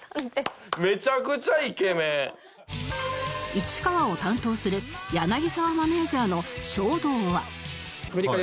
市川を担当する柳沢マネージャーの衝動は